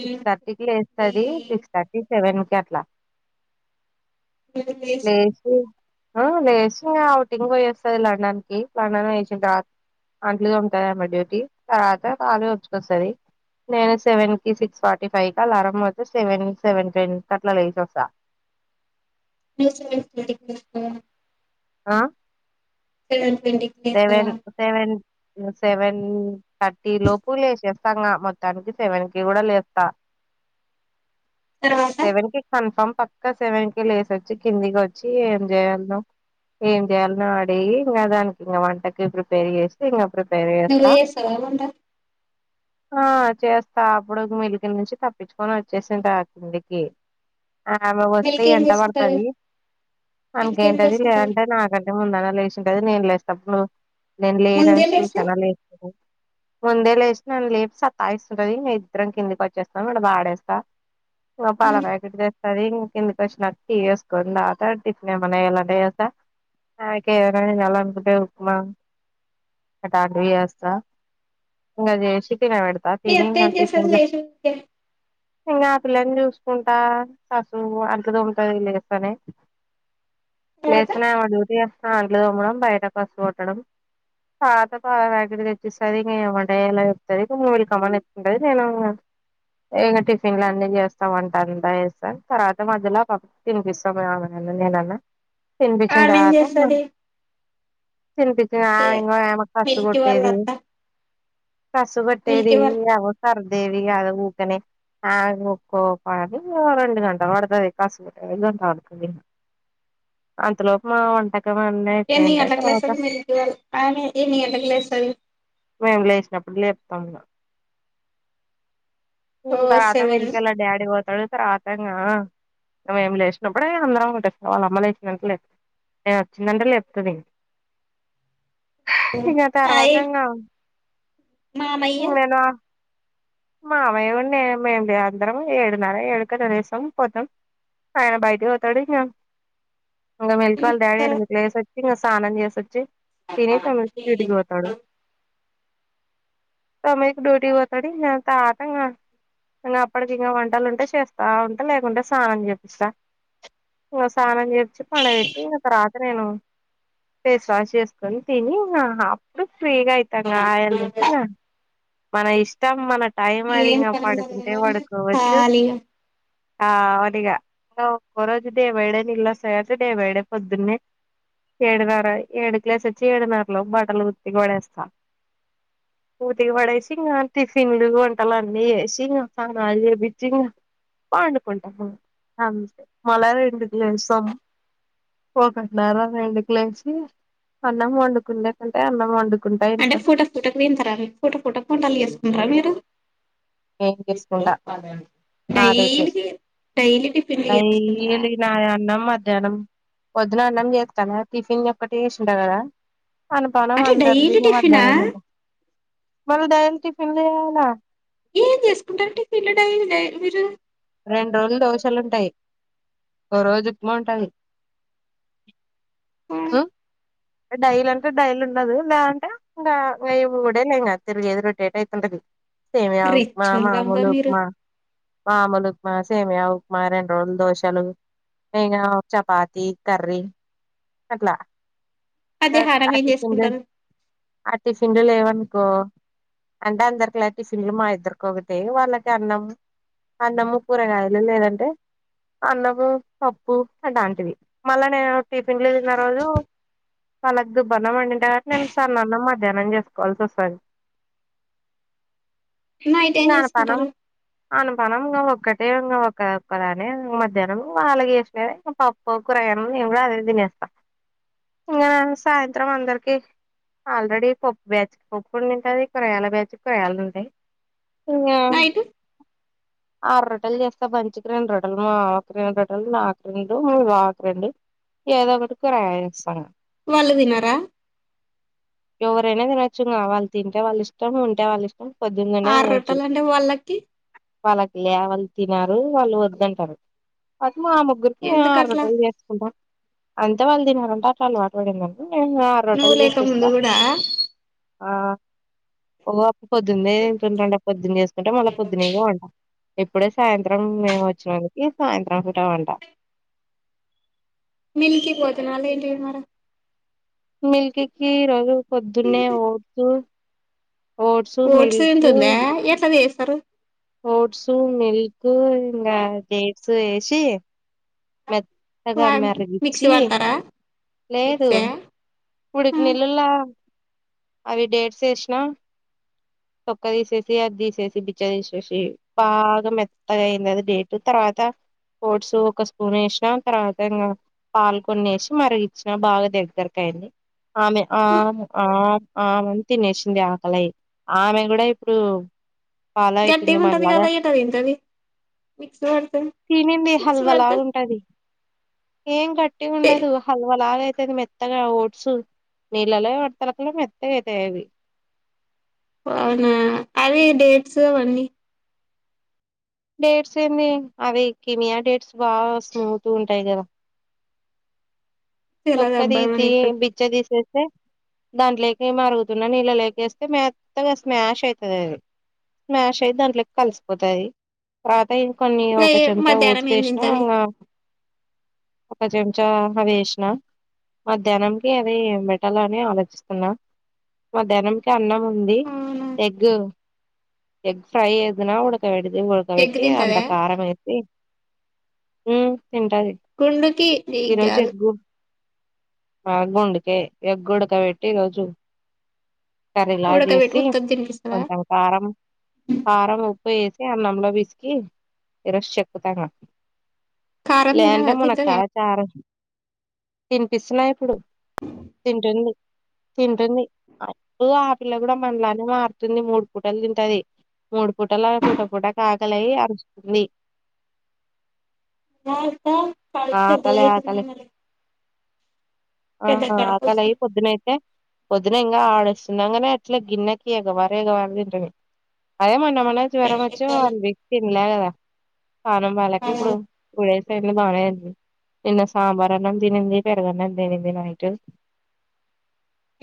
Six థర్టీకి లేస్తాది six thirty seven కి అట్లా ఇది లేశి లేచి ఆ లేసింగ ఔటింగ్ పోయివస్తది. లండన్ కి లండన్ పొయ్యివచ్చిన తరు అంట్లు తోముతది ఆమె డ్యూటీ తర్వాత పాలు పోపిచ్చుకోస్తది. నేను సెవెన్ ఇ సిక్స్ ఫార్టీ ఫైవ్ కల అలారం మొగితే, సెవెన్ సెవెన్ టెన్కి అట్లా లేస ఒస్తా. [unintelligible] ఆ ఎన్ సెవెన్ సెవెన్ సెవెంథర్టీ లోపు లేసేస్తా గా మొత్తానికి సెవెనికి కూడా లేస్తా తర్వాత సెవెన్ కి కన్ఫర్మ్ పక్క సెవెన్ కి లేసొచ్చి కిందికి ఒచ్చి ఎం చేయాలనో ఏంచేయాలనో అడిగి ఇంగ దానికి ఇంక వంటకి ప్రిపేర్ జేసీ ఇంగ మీరే చేస్తారా వంట ఆ చేస్తా అపుడు మిల్కె నుంచి తప్పించుకొని వచ్చేసిన్ తరువాత ఇంటికి ఆ ఆమె వస్తే మిల్క్ ఏం ఏంటా చేస్తుంటది పడతది మిల్క్ ఏం అందుకేంటది చేస్తుంటది లేంటే నాకంటే ముందన్న లేశుటండి నేన్ లెస్ ఆప్పులు నేను లేన్ ముందే అని చూసి లేసి అన లేతది ముందే లెషి నన్ను లేపి సతస్తుంటాది మేం ఇద్దరం కిందికి వచ్చేస్తాం అడ బడేస్తాం ఓ పాలపాకెట్ తె సరే ఇంకెందికొచ్చినట్టిగేస్కొని నాకాడ్ టిఫినేమన్న [unintelligible] దేవతా. [unintelligible] అదే ఉప్మా ఆటంటివి చేస్తా ఇంగ చేసి తినబెడత మీ తిని అత్త ఇంగ ఏం చేస్తది టిఫిన్లకి లేచి ఊకే ఇంగ ఆ పిల్లని చూసుకుంటా కాసేపు అంట్లు తోముత వెళ్ళిక్కనే తర్వాత లేస్తనే ఓ డ్యూటీ చేస్తా అంట్లు తోమ్ముడం బయట పస్ కొట్టడం పాత పాలపాకెట్లు తెచ్చిస్తది నేను వంట చేయాలనిచెప్తది మిల్ కమ్మన్ ఎతుంటది నేను ఇంగ టిఫిన్లని చేస్తా వంట అంత చేస్తా తర్వాత మధ్యలో తినిపిస్తాం మేము ఆమె నేననా తినిపించిన ఆమె ఏం తర్వాత ఇగ చేస్తది తినిపించిన ఆ ఇంగో ఆమె కసు మిల్కి వాళ్ళ కొట్టేది అత్త కసు కోటేది మిల్కి వాళ్ళ సర్దేది ఆది ఊకనే ఆ ఒక్కు పరి ఇగ రెండుగంటలు పడతాది కాసు కొట్టడం అంతలోపు మా వంటకం అని [unintelligible] ఎట్లేస్తారు మీఇంటికాడ ఆమె ఎన్నిగంట్లకు లేస్తది మేము లేష్ణాపుడు లేప్తానా ఓ హ్మ్ తర్వాత సెవెన్ మీటికలా డాడీ పోతాడు తరువాత ఇంగ ఆ మేమ్ లేష్ణాపుడే అందరం ఒకటే వల్ల అమ్మ లేష్ణాక లేస్తది ఏ వచ్చిందంటే లేప్తది ఇంక ఆ తర్వాత అయి ఇంగ మామయ్య మావయ్య కూడా నే మ్ మేం అందరం ఏడున్నారా ఏడుకె లేస్తాం పోతాం అయినా బైటికి పోతాడు ఇంగ ఇంగ మిల్కీ ఉమ్, వల డాడీ లేసొచ్చి ఇగ స్నానం చేసొచ్చి తినేసి ఆ డ్యూటీ కి పోతాడు తర్వాత తమ్ముడు ఇక డ్యూటీ కి పోతాడు తరువాత ఇంగ ఇంగ అప్పటికి వంటలు ఉంటే చేస్తా ఉంటా లేకుంటే సన్నం చేపిస్తా ఓ స్నానం చె పండబెటి ఇంగ తరువాత నేను ఫేసువాష్ చేసుకొని తిని ఇగ అప్పుడు ఫ్రీగా అయితాంగాయన్ జెప్పిగా మన ఇష్టం మన టైం ఆది ఏం ఇంగ పని ఉండదు పడుకుంటే కదండి పడుకోవచ్చు ఖాళీగా ఆహ్ అవునిగా ఒక్కొరోజు డేబైడే నీలు వస్తాయి గాబట్టి డేబైడే పొద్దునే ఏడున్నర ఏడుక్ లేసోచ్చి ఏడున్నారా లోపు బట్టల్ ఉతికిపడేస్తా ఉతికి పడేసి ఇంగ టిఫిన్లు టాల్లాన్ని ఎసి సానలు చేయిపిచ్చి పాండుకుంటాము అంతే మల రెండుకి లేసాం ఒకటినర రెండుకులేసి అన్నం వండుకున్న కంటే అన్నం వండుకు అంటె ఫొటొక్ ఫొటొక్ దింతరా మీర్ ఫొటొ ఫొటొ ఫొటొ ఫోటల్ జేస్కుంట్రా మీరు. [unintelligible] ఆదైతే డైలీ డైలీ టిఫిన్లు అయి చేసుకుంటారా ఎలిగిన అయన్నం మ ద్యనం పొద్దున అన్నం చేస్తన టిఫిన్ ఒక్కటి ఏషుంట కదా అన్నపానం అంటే మందర్ది డైలీ టిఫినా [inaudible] మళ్ళీ డైల్ టిఫిన్ చెయ్యాలా ఏం చేసుకుంటారు టిఫిన్లు డైలి డైలీ మీరు రెండ్రోజులు దోశలు ఉంటాయి ఒ రోజు ఉప్మా ఉంటాది డైల్ అంటే డైల్ ఉండదు లేఆంటే ఇంగా ఈ మూడే లేంగ తిరిగేది రోటేట్ అయితుంటది సేమయా ఉప్మా రిచ్చోళ్ళు అబ్బా మామూల మీరు ఉప్మా మామలు మా సేమయా ఉప్మా రెండు రోజులు దోశలు ఇంగా చపాతి కర్రీ అట్ల మధ్యాహ్నం ఏం చేసుకుంటారు [unintelligible] టిఫిన్లు లేవనుకో అంటే అందరికిలాటిఫిన్లు మా ఇద్దరికొకతే వాళ్ళకి అన్నం అన్నము కూరగాయలు లేదంటే అన్నము పప్పు అటాంటివి మళ్ళా నేను టిఫిన్లు తిన్న రోజు వాళ్ళక్ దుబ్బన్నం వండిటగన్ నేన్ సన్నన్నాం మధ్యాహ్నం చేసుకోవాల్సి వస్తది నైట్ ఏం ఇంగ అనపనం చేసుకుంటారు అనపనం ఇంగ ంగా ఒక్కక్కాలనే మధ్యాహ్నం వాళ్ళకి చేశినవే పప్పో కూర్గయాన్లు నేను కూడా అదే తినేస్ ఇంగా సాయంత్రం అందరికి ఆల్రెడీ పప్పు బ్యాచ్కి పప్పు ఒండి ఉంటది కురగాయల బ్యాచ్కి కురగయల్దుంటయి ఇంగా నైట్ ఆర్రో ట్టల్ చేస్తా మంచికి రెండు రోట్టల్ మావాక్ రెండు రొట్టల్ నాకు రెండు మీ బావాకు రెండు ఏదో ఒకటికూరగాయిలిస్తా వాళ్ళు తినరా ఎవరైనా తినొచ్చు ఇంగ వాళ్ళు తింటే వాళ్ళు ఇష్టం ఉంటే వాళ్ళ ఇష్టం పొద్దుగన్నే ఆరు తినొచ్చు రొట్టెలు అంటే వాళ్ళకి వాళ్ళకి లే వాలు తినరు వాళ్ళు వద్దంటారు మా ముగ్గురికి [unintelligible] ఆరు ఎందుకట్లా రోట్టెలు చేసుకుంటాం అంతే వాళ్ళు తినరంట అట్లా అలవాటు వడి ఇంగా ఇంగ నువ్వు ఆర్రోట్టెల్ లేక చేసిస్తా ముందు కూడా ఆ ఒ పొద్దున్నే తింటుంటంట పొద్దున్న చేసుంటే మళ్ళ పొద్దున్నే ఇగా వంట ఇప్పుడే సాయంత్రం మేము వచ్చినందుకి సాయంత్రం పూట వంట మిల్కి పోతన అల్లా ఏంటియి మర మిల్కికి రోజు పొద్దున్నే ఓట్సు ఓట్స్ తింటుందా ఎట్లా జెస్తారు ఓట్స్ మిల్క్ ఇంగా డేట్స్ యేషి మెత్తాగా మిక్సీ మెర్రాగించి పడతారా లేదు మిక్సా ఉడిక్ హ్మ్ నీలాళ్లా అవి డేట్స్ యేషినా తోక్కదిశేసి అదిసేసి బిచ్చ దిశేషి భాగా మెత్తగా అయింది అది డేటు త కాత ఓట్సు ఒక స్పూన్ యేషినా తర్వాత ఇంగా పాలుకొన్ని ఎశి మరిగిచ్చినా బాగా దగ్గరకైంది ఆమె హ్మ్ ఆమ్ ఆమ్ ఆమన్ తినేసింది ఆకలయి ఆమె కూడా ఇప్పుడు పాలొ అయితుంది గట్టిగా ఉంటది మనలాగా కదా ఎట తింటది మిక్స్ పడతది తినింది మిక్స్ హల్వాలా పడితే ఉంటది ఏం తే గట్టిగుండదు హల్వ లాగా అయ్ తది మెత్తగా ఓట్సు నీళ్ళలో పడ్తె లోపల మెత్తగ అయితయి అవి ఒ అవునా అవి డేట్స్ అవ్వన్నీ డేట్స్ ఏంది అవి కిమియా డేట్స్ బాగా స్మూత్గ ఉంటాయి కదా తొక్క తెలదబ్బా తీసి అని ఇప్పుడు బిచ్చ తీసేస్ స్తె దాంట్లోకి మరుగుతున్న నీళ్ళలోకి ఏస్తే మెత్తగా స్మాష్ అయితది అది స్మాష్ అయి దాంట్లోకి కలిసిపోతాది రాత్ తైన్ కొన్ని ఇంగ ఒక ఏ చెంచా మధ్యాహ్నం ఓట్స్ ఏం ఎషినా తింటది ఇంగా ఒక చెంచా అవేషినా మాధ్యానంకి అది ఏం పెట్టాల అని ఆలోచిస్తున్నా మధ్యాహ్నం కి అన్నం ఉంది అవునా ఎగ్గు ఎగ్ ఫ్రై ఏదునా ఉడకవెడిది ఎగ్ ఉడకవెట్టి అంత తింటదా కారం ఏసి మ్ తింటది గుండుకి ఎగ్ ఈరోజు కాదు ఎగ్గు బా గుండకే ఎగ్గుడకపెట్టి ఈరోజు కర్రీలా ఉడకబెట్టి చేసి ఉత్తది తినిపిస్తదా కొంచెం కారం కారం ఉప్పు ఏసి అన్నంలో పిసికి ఈరొజు చెక్కుతాంగా కారం లేదంటే తినదా తింటదా మునక్కాల చారు తినిపిస్తున్నా ఇప్పుడు తింటుంది తింటుంది ఆ పిల్ల గూడ మనలానే మారుతుంది మూడు పూటలు తింటది మూడు పూటల పూట పూట కాకలయి అరుస్తుంది [unintelligible] ఆకలి పెద్దగైతున్నయి ఆకలి మళ్ళి ఆ ఆకలి అయి వస్తుంది పొద్దునైతే పొద్దున ఇంగా ఆడొస్ తిన్నంగనే అట్ల గిన్నెకి ఎగవారు ఎగవారు తింటనే అదే మన్ న్నమనే జ్వరం వచ్చి వన్ వీక్ తినలే గదా పానం బాలేక ఇప్పుడు టూ డేస్ [unintelligible] నిన్న సాంబారన్నం తినింది పెరుగన్నం తినింది నైటు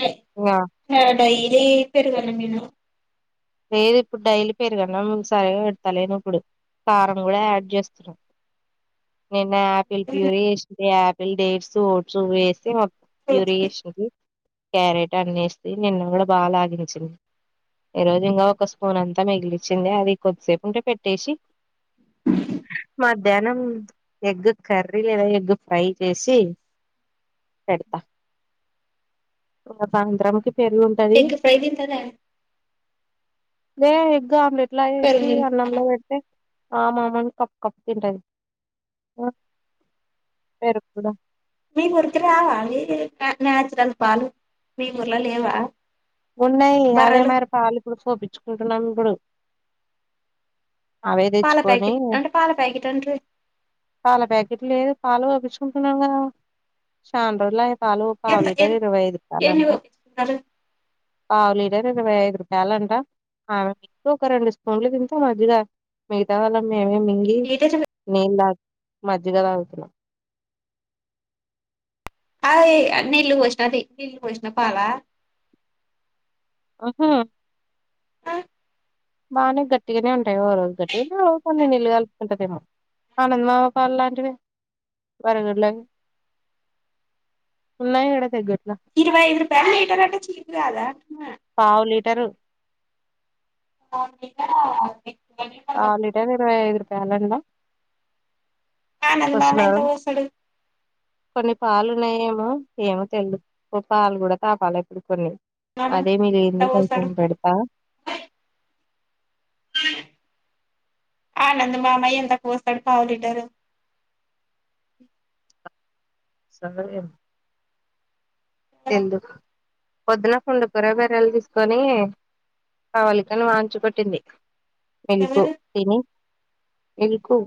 ఇగా డైలీ పెరుగన్నం తిను లేదు ఇప్పుడు డైలీ పెరుగన్నం సరిగా పెడతాలేేను ఇప్పుడు కారం గూడ యాడ్ చేస్తున్నా నేన్ న్యాపిల్ ప్యూరి చేసింది యాపిల్ డైట్సు ఓట్సు ఏసి ప్యూరి చేసింది క్యారెట్ అన్ని ఎస్తే నిన్న గూడ బాగా లాగించింది ఈరోజు ఇంగా ఒక స్పూన్ అంతా మిగిలిచ్చింది అది కొద్దిసేపు ఉంటే పెట్టేషి మాధ్యాహ్నం ఎగ్ కర్రీ లేదా ఎగ్ ఫ్రై చేసి పెడత ఇంగ సాయంత్రంకి పెరుగు ఉంటది ఎగ్ ఫ్రై దింతటా ఏ ఎగ్ ఆమ్లెట్లా ఏసి పెరుగు తినిపిస్తదా అన్నంలో పెడితే ఆ మామని కప్పు కప్పు తింటది పెరుగులా మీ ఊరికి రావాలి న నాచురల్ పాలు మీ ఊర్ల లేవా ఉన్నాయి అవే బర్రెలు మరి పాలిప్పుడు పోపిచుకుంటున్నం ఇప్పుడు అవే పాల తెచ్చుకొని ప్యాకెట్ అంటే పాల ప్యాకెట్ అంటే పాల ప్యాకెట్లు లేదు పాలు పోపిచ్ చూకుంటున్నం కదా పాలు పావు ఎంత లీటర్ ఎన్ ఇరవై ఐదు పాలు ఎన్ని అన్నా పంపిస్తున్నారు పావు లీటర్ ఇరవై ఐదు రూపాయలు అంట ఆమె ఒక రెండు స్పున్లు తింటా మజ్జిగ మిగతా వాళ్ళ మెమే మింగి లీటర్ నీళ్ తా మజ్జిగ తాగుతున్నం అయి నీళ్లు పోషనది నీళ్లు పోషిన పాలా ఉ హు ఆ బానే గట్టిగనే ఉంటయ్ ఓరోజు గట్టిగ ఉంటే కొన్ని నిల్లగా ఉంటదేమో వాళ్ళవి ఆవుపాలు లాంటివే బర్రెగోడ్లు ఉన్నాయ ఎడ తెగ ఇరవై ఐదు రూపాయ లీటర్ అంటే చీపు కాదా పావు లీటరు [unintelligible] పావు లిటర్ ఇరవై ఐదు రూపాయలన్న ఆనంద్ మామ ఎంత కొస్సున్నరు పోస్తాడు కొన్ని పాలు ఉన్నాయేమో ఏమో తెలదు పాలు కూడా తాపాలి ఎప్పుడు కొన్ని మామ అదే ఎంత మిగిలింది కొంచెం పోస్తాడు పెడుతా ఆనంద్ మామయ్య ఎంతకు పోస్తాడు పావు లీటర్ సందుక్ పోయింద్ ఎందుక్ పొద్దున పుండుకూర గర్రెలు తీసుకొని ప్రవళికను వాంచికొట్టింది ఎల్కు ఎవరు తిని ఎల్కు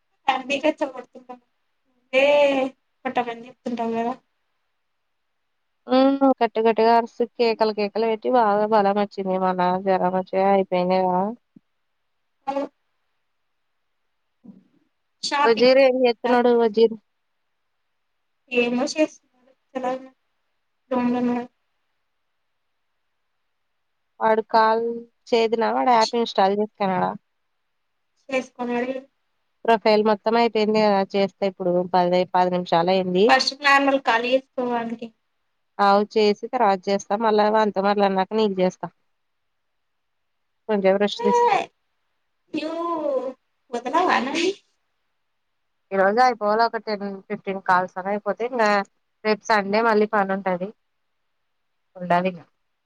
[unintelligible] ఊ మ్ కట్టమని చెప్తుంటాం కదా ఆ కట్టు కట్టుగా అరిసి కేకలు కేకలు పెట్టి బాగా బలం వచ్చింది మన జ్వరం వచ్చి అయిపోయింది కదా హలో షాపింగ్ వజీర్ ఏమ్ చెత్తున్నాడు వజీర్ ఏమో చేస్తున్నాడు గొమ్మునాడు వాడు కాల్ చేదిన వాడు యాప్ ఇన్స్టాల్ చేస్కునడా చేసుకునడే ప్రొఫైల్ మొత్తం అయిపోయింది కద చేస్తే ఇప్పుడు పదే పది నిమి ఫస్ట్ నార్మల్ కాల్ చేసుకో వానికి అవ్ చేసి తర్వాత చేస్తా మళ్ళా వానితో మాట్లాడినాకా నిక్ చేస్తా కొంచెం రెస్ట్ ఏ తీస్ నువ్వు వదలవా నన్ని ఈ రోజు అయిపోవాలి ఒక టెన్ ఫిఫ్టీన్ కాల్స్ అన అయిపోతే ఇంగ రేపు సండే మళ్ళీ పని ఉంటది ఉండాలి